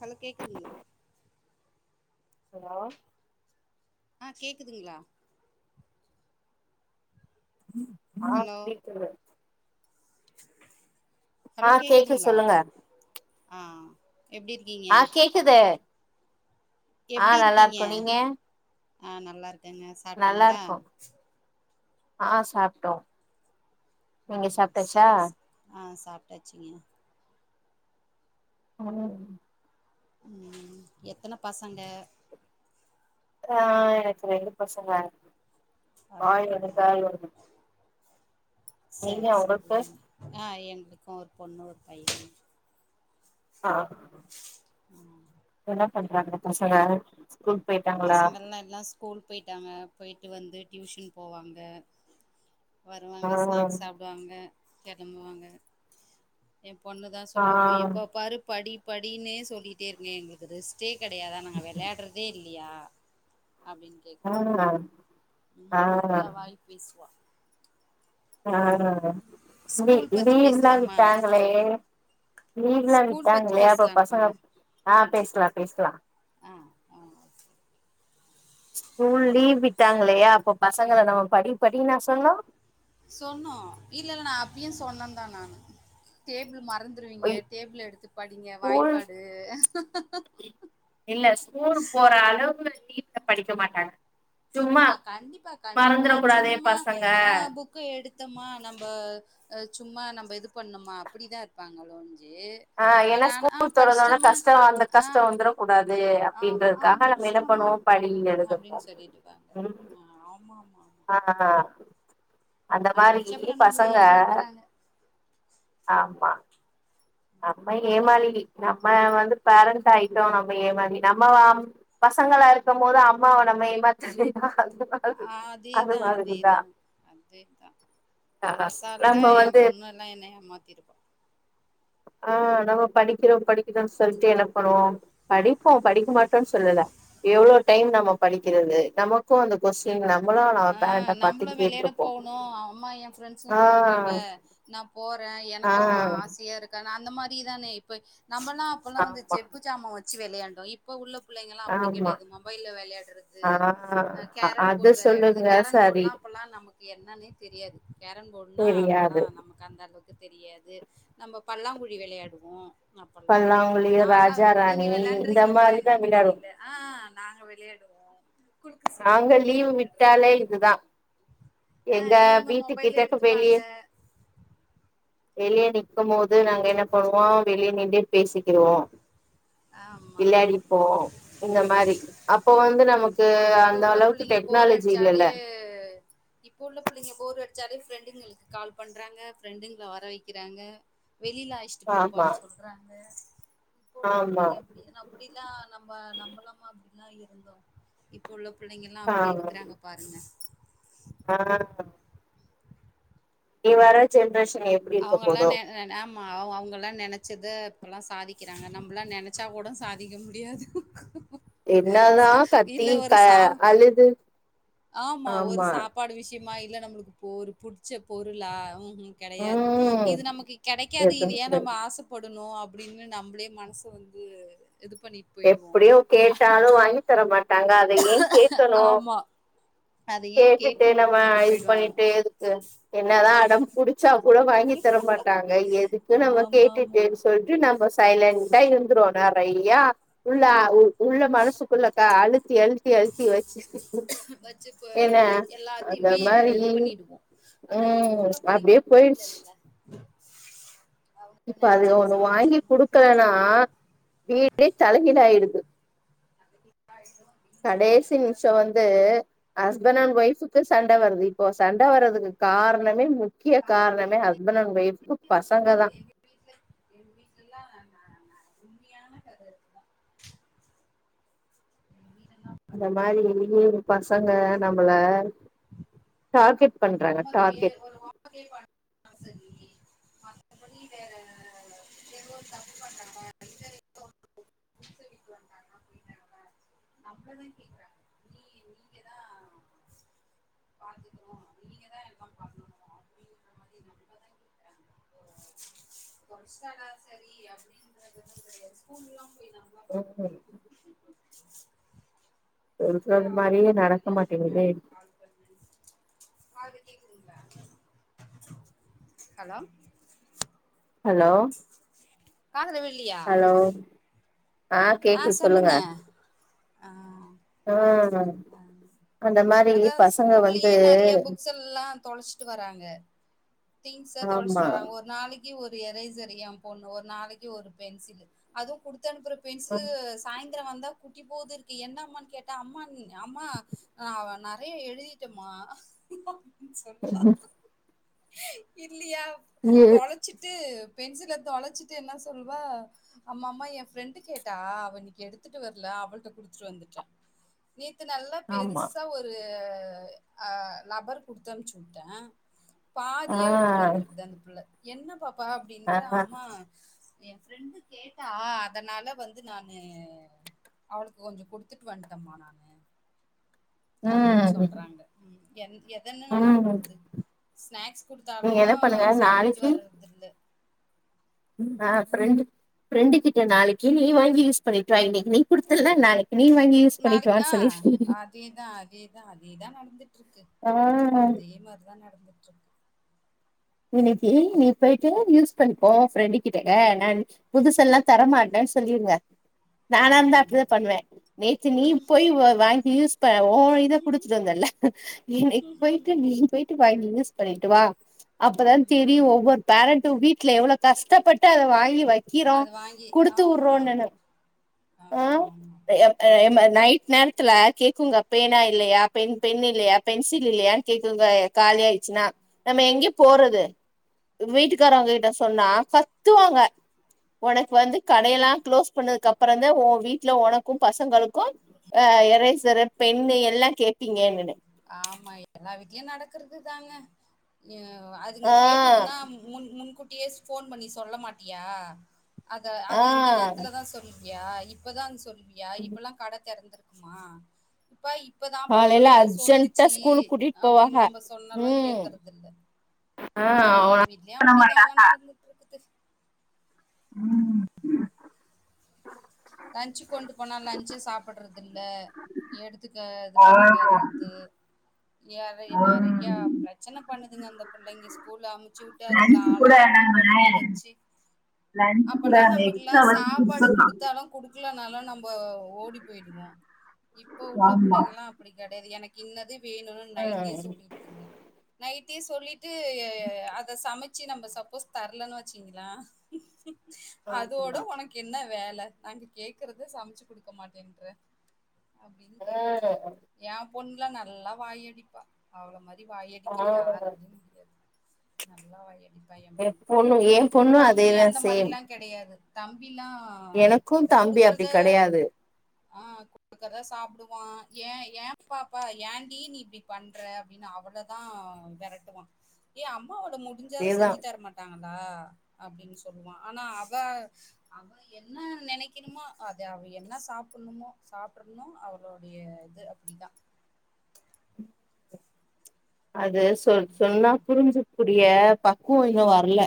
Hello கேக்குதுங்களா hello ஆ கேக்குதுங்களா ஆஃப் ஹலோ ஸ்பீக்கரு ஆ ஹலோ கேக்குது கேக்குதுங்களா சொல்லுங்க ஆ எப்டி இர் ஆ கேக்குது ஆ எப்டி இருக்கீங்க நல்லாருக்கோ நீங்க ஆ நல்லாருக்கேங்க நல்லா சாப்ட்டீங்களா இருக்கோ ஆ சாப்ட்டோ நீங்க ம் சாப்ட்டாச்சா செர் செ ஆ சாப்டாச்சுங்கயா ஆதாரம் உம் எத்தன பசங்க ஆ எனக்கு ரெண்டு பசங்க இருக்கு வாய் ஒன்று அப்டிங்களா கேள் [unintelligible] ஒன்று செர் உங்களுக்கு செரி ஆ எங்களுக்கு ஒரு பொண்ணு ஒரு பையே ஆ ம் என்ன பண்றாங்க பசங்க ஸ்கூல் போயிட்டா பசங்கள்லா எல்லா ஸ்கூல் போயிட்டாங்க போயிட்டு வந்து டியூஷன் போவாங்க ஆ வருவாங்க ஸ்நாக்ஸ் சாப்டுவாங்க கெளம்புவாங்க ஏ பொண்ணு தா ஆ சொல்லுவப்போ எப்போ பாரு படி படினே சொல்லிட்டே இருக்கீங்க எங்களு ரெஸ்ட்டே கெடையாதா நாங்க விளையாடுறதே இல்லையா அப்டினு ஆ ஈ ஆ நல்லா வாய் பேசுவா ஆ இதே ஸ்கூல் பத்தி இந்தே இல்லா பேசலாமா விட்டாங்களே லீவ்லா ஸ்கூல் பத்தி விட்டாங்களே அப்ப பேசலா நம்ம பசங்க ஆ பேசலா பேசலா ஆ ஆ ஸ்கூல் லீவ் விட்டாங்களே அப்ப பசங்கள நம்ம படி படின்னா சொன்னோ சொன்னோ இல்லல்ல நா அப்பியு சொன்னே தா நானு டேபிள் மறந் துருவீங்க ஒய் டேபிள் எடுத்து படிங்க ஸ்கூல் வாய்ப்பாடு இல்ல ஸ்கூல் போற அளவு வீட்ல படிக்க மாட்டாங்க சும்மா லா கண்டிப்பா மறந்துர கண்டிப்பா கூடாதே சும்மா பசங்க ஆ புக் கு எடுத்தோமா நம்ப சும்மா நம்ப இது பண்ணமா அப்டி தா இருப்பாங்க லோஞ்சு ஆ நானு அ படிச்ட்டோம்மா அ வர கூடாது ஆமா ஆ அப்டின்றதுக்காக நம்ம என்ன முடிச்சட்டோம்மா பண்ணுவோ படி எழுதுவோ அப்டினு சொல்லிட்ருக்காங்க ம் ஆ ஆமா ஆமா ஆ அந்த அத மாரி வச்சு அப்றோ நம்மள பசங்க ஏமாத்துறாங்க ஆமா நம்ம ஏமாளி நம்ம வந்து பேரன்ட் ஆய்ட்டோ நம்ம ஏமாளி நம்ம வா பசங்களா இருக்கும்போது அம்மாவ நம்ம ஏமாதலயா அது மாதிரி அது அதேதா மாதிரிதா அதேதா அதேதா ஆ அசால்ட்டா நம்ம எ வந்து பொண்ணு நல்லா என்ன ஏமாதிருவா ஆ நம்ம படிக்கிறோ படிக்குறோன் சொல்ட்டு என்ன பண்ணுவோ படிப்போ படிக்க மாட்டோன் சொல்லல எவ்ளோ டைம் நம்ம படிக்கிறது நம்ம அந்த கொஸ்டின் நம்மளு ஆ பேரண்ட நம்மளு பாத்து விளையாட கேட்டிருப்போ போகணு அம்மா எ ஃப்ரெண்ட்ஸுங்க ஆ கூப்புட்றாங்க நா போறே ஆ எனக்கு ஆசையா இருக்கு நா அந்த மாரிதான இப்ப நம்பளா அப்பெல்லா வந்து ஆமா செப்பு சாமா வெச்சு வெளையாண்டோ இப் இப்ப உள்ள புள்ளைங்கலா அப்புடி ஆமா கெடையாது மொபைல்ல வெளையாட்றது ஆ அ கேரம் அது போட் வெளையாட் அது சொல்லுங்க கேரம் சரி போட்லா அப்பல்லா நமக்கு என்னன்னே தெரியாது கேரம் போடுனா அப்பல்லா தெரியாது நமக் அந்த அளவுக்கு தெரியாது நம்ம பல்லாங்குழி வெளையாடுவோ அப்பல்லா பல்லாங்குழி நாலா ராஜா நீங்க ராணி இந்த வெளாண்ருக்கீங்ளா மாரிதா என்னன் விளையாடுவோ தெரில ஆ நாங்க வெளையாடுவோ நாங்க லீவ் வெளையாட்றது விட்டால் ல இதுதா ஆ எங்க இவங்க வீட்டு மொபைல் கிட்டக்கு வெளிய எடுத்துப்பாங்க வெளிய நிக்கும்போது நாங்க என்ன பண்ணுவோ வெளிய நின்டே பேசிக்கிடுவோ ஆமா விளையாடிப்போ இந்த மாரி அப்போ வந்து இ- நமக்கு இப்ப அந்த உள்ள அளவுக்கு புள்ளைங்க போர் டெக்னாலஜி அடிச்சாலே இல்லல்ல இப்ப உள்ள புள்ளைங்க போர் அடிச்சாலே ஃப்ரெண்டுங்களுக்கு கால் பண்றாங்க ஃப்ரெண்டுங்கள வர வெக்கிறாங்க வெளில அல்ச்சுட்டு ஆமா போப்பான் சொல்றாங்க இப்ப உள்ள ஆமா அப்டி அப்டிலா நம்ப நம்பளமாதிரிலா இருந்தோ இப்போ உள்ள புள்ளைங்கல்லா அப்டி ஆமா இருக்கறாங்க பாருங்க ஆ இனி வர ஜென்ரேஷன் எப்டி இருக்க போதோ அவ் அவுங்கலா நெனைச்சத இப்பல்லா சாதிக்கிறாங்க நம்பலா நெனச்சாகூட சாதிக்க முடியாது இல்ல ஒரு சா எது ஆமா ஒரு சாப்பாடு விஷயமா இல்ல நம்மளுக்கு ஒரு புடிச்ச பொருளா ம் கெடையாது ம் இது நமக்கு கெடைக்காது இது ஏ எதும் நம்ம ஆச படணு அப்டினு நம்பளே மனசு வந்து இது பண்ணிட் எப்டியு கேட்டாலு வாங்கி தர மாட்டாங்க அத ஏ கேக்கணு ஆமா. அத ஏன் கேட்டுட்டு நம்ம கேட்கணுன்ட்டு இது போயிடுவோம். பண்ணிட்டு எதுக்கு என்னதா அடம் புடிச்சா கூட வாங்கி தர மாட்டாங்க எதுக்கு நம்ம கேட்டுட்டு ஆமாமா. சொல் டு நம்ப சைலன்டா இருந்துறோ நறையா உள்ள உள்ள மனசுக்குள்ள கா அழுத்தி அழுத்தி அழுத்தி வெச்சு வ வெச்சு இப்ப எல்லாத்தியுமே மாரி இது பண்ணிடுவோ ஆனா இப்ப ம் உள்ள புள்ளைங்க அப்டியே அப்டி போயிடுச்சு இல்லல்ல அவங்க இப்ப அது நெனைச்சத ஒன்னு வாங்கி சாதிச்சிடணும். குடுக்கலனா வீடே தலகீழ ஆய்டுது ஆய்டு கடைசி நிமிஷோ வந்து ஹஸ்பண்ட் அண்ட் ஒய்ஃபுக்கு சண்ட வருது இப்பொ சண்ட வர்றதுக்கு கார்ணமே முக்கிய காரணமே ஹஸ்பண்ட் அண்ட் ஒய்ஃப்க்கு பசங்க தா உண்மையில எங்க வீட்ல எங் வீட்லலா நா நா உண்மியான கத இதுதா எங் வீட்லலா இந்த மாரி ஒவ்வொரு பசங்க நம்மள டார்கெட் பண்றாங்க டார்கெட் [inaudible] ஆ சரி மத்தபடி வேற எதோ ஒரு தப்பு பண்றாங்க [inaudible] புருஷ வீட்டுக்கு வந்தாங்கன்னா அப்டி தாங்க நம்ளதா கேக்குறாங்க நீ நீங்க தா பாத்துக்கனு நீங்கதா எல்லா பண்ணணு அப்டிங்ற மாரி நம்மதா [inaudible] கொறச்ட்டானா செரி அப்டின்றது [inaudible] ஸ்கூல்லா போய் நம்ம ஓ ஹோ பண்ணித்தே சொல்றது மாரியே ஆவ்னுமா நடக்க ஒடனே அவுங்க மாட்டேங்குதே மேம்க்கு கால் பண் காதுல கேக்குதுங்ளா ஹலோ ஹலோ காதுல விழுலியா ஹலோ ஆ சொல்லுங்க ஆ ஆ அந்த மாரி பசங்க வந்து ல்லா தொலச்ட்டு வராங்க திங்ஸ்ஸ தொலச்ட்டு ஆமா வராங்க ஒரு நாளைக்கு ஒரு எரேசரு எ பொண்ணு ஒரு நாளைக்கு ஒரு பென்சில் அதுவு குடுத்தனுப்புற பென்சிலு சாயந்திரோ வந்தா குட்டி போதுருக்கு என்னமான் கேட்டா அம்மான் அம்மா ஆ அவ நறைய எழுதிட்டேமா ன் சொல்லுவா இல்லியா ஏ தொல ச்சிட்டு பென்சில தொலச்சிட்டு என்ன சொல்வா அம்மாம்மா எ ஃப்ரெண்டு கேட்டா அவ இன்னக்கி எடுத்துட்டு வர்ல அவள்ட்ட குடுத்துட்டு வந்துட்டே நேத்து நல்லா ஆமா பெருசா ஒ ரு ஆ லப்பர் குடுத்தம்ச்சுட்டே ஆ பாதியா எடுத்துட்டு வந்திருக்குது அந்த புள்ள என்ன பாப்பா ஆ அப்டின்றே அம்மா எ ஃப்ரெண்டு கேட்டா அதனால வந்து நானு அவளுக்கு கொஞ்சோ குடுத்துட்டு வன்ட்டமா நானு அப்டின் ம் சொல்றாங்க ம் என் எதன்னு நா ம் நம்புறது ஸ்நாக்ஸ் குடுத்தாலு நீங்க என்ன பண்ணுங்க சாப்ட்டுட்டு வர்றதில்ல நா ஃப்ரெண்டு ஃப்ரெண்டு கிட்ட நாளைக்கி நீ வாங்கி யூஸ் பண்ணிட்டு வா இன்னக்கி நீ குடுத்தல நாளை க்கி நீ வாங்கி யூஸ் பண்ணிட்டு நாளைக்கி வான்னு ஆ சொல்லிருக்கே அதேதா அதேதா அதேதா நடந்துட்ருக்கு ஆ அதே மார்தா நடந்துட்ருக்கு இன்னக்கி நீ போய்ட்டு யூஸ் பண்ணிக்கோ ஒ ஃப்ரெண்டு கிட்டக்க நான் புதுசல்லா தரமாட்டேன் சொல்லிருங்க ஆ நானாருந்தா ஆ அப்டிதா பண்ணுவே நேத்து நீ போய் வாங்கி யூஸ் ஒ இத குடுத்துட்டு வந்தல இன்னக்கி போய்ட்டு நீ போய்ட்டு வாங்கி யூஸ் பண்ணிட்டு வா அப்பதா தெரியு ஒவ்வொரு பேரண்ட்டு வீட்ல எவ்ளோ கஷ்டப்பட்டு அத வாங்கி வ க்கிறோ அது வாங்கி குடுத்து ஆமா வுட்றோனுனு ஆ ஆமா ஆமா எ அதே மாரி நைட் நேரத்துல கேக்குங்க பேனா இல்லயா பென் பென் இல்லயா பென்சில் இல்லயான் கேக்குங்க காலி ஆயிர்ச்சுன்னா நம்ம எங்கே போறது வீட்டுக்காரோங்க கிட்ட சொன்னா கத்துவாங்க ஒனக்கு வந்து கடையெல்லா க்ளோஸ் பண்ணதுக்கப்றோ தா ஒ வீட்ல ஒன க்கு பசங்களுக்கு ஆ எரைசரு பெண்ணு எல்லா கேட்பீங்கனு னு ஆமா எல்லா வீட்லயு நடக்கறது தாங்க அதுங்க ஆ கேட்டதுன்னா முன் முன்கூட்டியே ஃபோன் பண்ணி சொல்ல மாட்டியா அத ஆ அது இந்த நேரத்துல தா சொல் யா இப்பதா வந்து சொல்வியா இப்பல்லா கட திறந்திருக்குமா இப்ப இப்பதாப்ப காலையில புள்ளைங்க ஸ் அர்ஜென்ட்டா சொன்னுச்சு ஸ்கூலுக்கு கூட்டிட்டு அப்டின்னு போவாக நம்ம சொன்னாலு ம் கேக்குறதில்ல ஆ எல்லா வீட்லயு பண்ண மாட்டா அப்டிதாங்க நடந்துட்டு இருக்குது ம் லன்சு கொண்டு போனா லஞ்ச் சாப்பிடுறது இல்ல எடுத்துக்க இது பண்ணிட்ட வர்றது ஏற என் நெறையா ம் பிரச்சன பண்ணுதுங்க அந்த புள்ளைங்க ஸ்கூல்ல அமுச்சு வுட்டு அதுங்கள லஞ்ச் கூட ஆளாக்கி நம்ம படிக்க வச்சு லஞ்ச் கூட அப்பல்லா நம்ம நமக்கெல்லா எக்ஸ்ட்ரா வச்சு சாப்பாடு குடுத்துடலாம் குடுத்தா குடுத்தாலு குடுக்கலனாலு நம்ம ஓடி போயிடுவோ இப்போ உள்ள ஆமா புள்ளைங்கல்லா அப்டி கிடையாது எனக்கு இன்னது வேணும்னு நைட்டே ம் சொல்லிடுதுங்க நைட்டே சொல்லிட்டு அத சமச்சு நம்ம சப்போஸ் தரலன்னு வச்சிங்களா அதோட ஆமா உனக்கு என வேல ஆன்டி கேக்குறத சமச்சு குடுக்க மாட்டேன்ற அப்டின்னு கேக்குறாங்க ம் எ பொண்ணுலா நல்லா வாயடிப்பா அவ்ள மாரி ஆ வாயடிக்க யாராலயு முடியாது நல்லா வாயடிப்பா எ என் பொண்ணு என் பொண்ணு தம்பி அதேதா அந்த சேம் மாரில்லா கெடையாது தம்பிலா எனக்கு ஏதோ தம்பி அப்டி குடுக்கறத கெடையாது ஆ குடுக்குறத சாப்பிடுவா ஏ ஏ பாப்பா ஏன்டி நீ இப்டி பண்ற அப்டின்னு அவ்வள தா விரட்டுவா ஏ அம்மாவோட முடிஞ்சாத அதேதா செஞ்சு தரமாட் டாங்கலா அப்டின்னு சொல்லுவா ஆனா அவ அவ என்ன நெனைக்கணுமோ அத அவ என்ன சாப்பிடணுமோ சாப்பிடனு அவளுடைய இது அப்டித்தா அது சொ சொன்னா ம் புரிஞ்சுக்க கூடிய பக்குவோ இன்னு வரல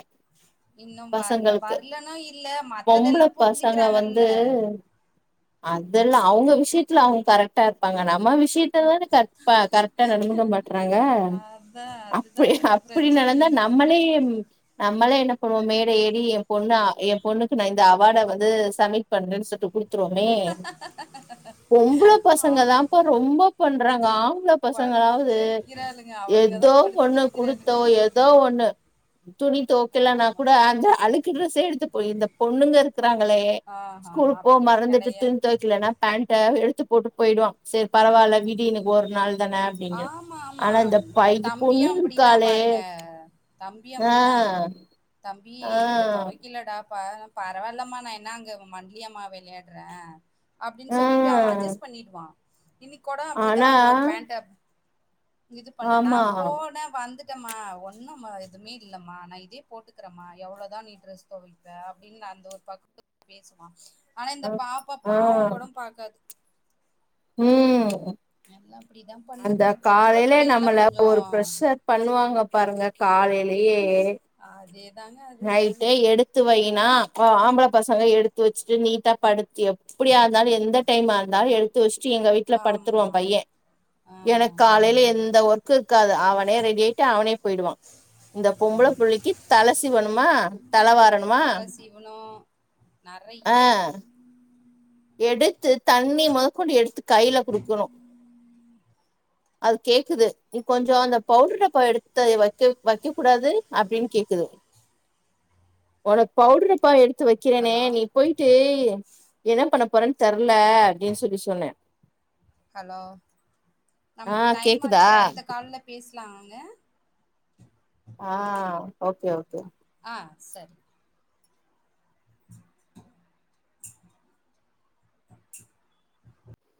இன்னு வரல பசங்களுக்கு வரலன்னா இல்ல பொம்பள மத்ததெல்லா பசங்க புரிஞ்சுக்கிறாங்கல்ல வந்து அதெல்லா அவுங்க விஷயத்துல அவுங்க கரெக்டா இருப்பாங்க நம்ம விஷ யத்தலாதானே கரக்டா கரெக்டா நடந்துக்க மாட்றாங் க அதா அப்டி அதுதானே இப்ப அப்டி நடந்தா பிரச்சனையே நமக்கு நம்மளே நம்மளே என்ன பண்ணுவோ மேடை ஏறி எ பொண்ணு எ பொண்ணுக்கு நா இந்த அவார்ட வந்து சப்மிட் பண்றேன்னு சொல்லிட்டு குடு த்துருவோமே பொம்பள பசங்க தாப்ப ரொம்ப பண்றாங்க ஆம்ள படுத்தி பசங்களாவது வைக்கிறாளுங்க அவளுங்கதா ஏதோ படுத்தி ஒன்னு வைக்கிறாளுங்க கொடுத்தோ நம்மள ஏதோ ஒன்னு துணி துவக்கலனா ஆமா கூட அந்த அழுக்கு டிரெஸ் எடுத்து போய் இந்த பொண்ணுங்க இருக்கிறாங்களே ஆஹா ஸ்கூல் போ அப்படிலா மறந்துட்டு துணி கெடையாது துவைக்கலனா பேண்ட எடுத்து போட்டு போயிடுவா சரி பரவாயில்ல விடு இனைக்கு ஒரு நாள் தானே அப்டினு ஆமா ஆமா தம்பியு அப்டிதா இருக்காளே பாருங்க தம்பியு அப்டிதா ஆஹ் தம்பி ஆ இத துவைக்கலடா பா பரவாயில்லம்மா நா என அங்க மண்லயம்மா விளையாடுறே அப்டின்னு ஆ சொல்லிட்டு அவ அட்ஜஸ் பண்ணிட்டுவா இனைக்கு கொட அப்டிதா ஆனா ஒரு பேண்ட இது பண்ணே நா ஆமா போனே வந்துட் மா ஒன்னு எதுமே இல்லமா நா இதே போட்டுக்கிறேமா எவ்ளோதா நீ ட்ரெஸ் துவைப்ப அப்டின்னு அந்த ஒரு பக்குவமா பேசுவா ஆனா ஆ இந்த பாப்பா ஆ பாவம் கூட பாக்காது ம் எல்லா அப்படிதா அந்த பண்ணுதுங்க பொம்பள காலையிலே புள்ளைங்க எல்லா நம்மள கொஞ்சோ ஒரு ப்ரஷர் பண்ணுவாங்க பாருங்க காலையிலயே அதேதாங்க அதேதாங்க நைட்டே எடு த்து வைனா ஆம்பளை பசங்க எடுத்து வச்சுட்டு நீட்டா படு எப்படியா இருந்தாலும் எந்த டைமா இருந்தாலு எடுத்து வச்சுட்டு எங்க வீட்ல படுத்துருவான் ஆமா பைய ஆ எனக் ஆ காலையில எந்த ஒர்க்கு இருக்காது அவனே ரெடி ஆயிட்டு அவனே போயிடுவா இந்த பொம்பள புள்ளைக்கு தலைசீவணுமா தலை வாரணுமா இவ்ன்னோ நறைய ஆ இருக்குது எடுத்து தண்ணி முதக்கொண்டு எடுத்து கையில குடுக்கணு அது கேக்குது நீ கொஞ்சோ அந்த பவுடர் டப்பா எடுத்து வைக்க வைக்க கூடாது அப்படின் கேக்குது உனக் பவுடரு டப்பா எடுத்து வைக்கிறேனே ஹலோ நீ போயிட்டு என்ன பண்ண போறேன் தெர்ல அப்டின் சொல்லிட்டு சொன்னே ஹலோ நமக்கு டைம் கேக்குதா ஆச்சு அடுத்த கால்ல பேசலாம்ங்க ஆ ஓகே ஓகே ஆ சரி